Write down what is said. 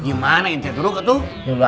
gimana yang terjadi itu